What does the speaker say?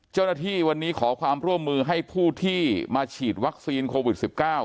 เจ้าหน้าที่วันนี้ขอความร่วมมือให้ผู้ที่มาฉีดวัคซีนโควิด๑๙